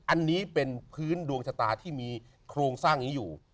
อันนี้เป็นพื้นดวงชะตาที่มีโครงสร้างนี้อยู่